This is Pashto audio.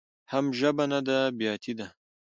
حم ژبه نده بياتي ده.